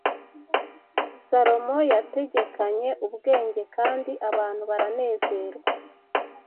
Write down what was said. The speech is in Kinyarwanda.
Salomo yategekanye ubwenge kandi abantu baranezerwa